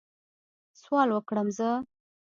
سوال وکړم زه؟